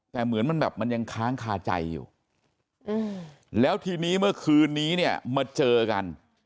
แต่เหมือนมันแบบมันยังค้างคาใจอยู่แล้วทีนี้เมื่อคืนนี้เนี่ยมาเจอกัน